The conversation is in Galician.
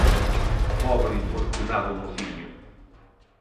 Pobre infortunado mociño!